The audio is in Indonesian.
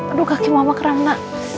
aduh kaki mama keras mak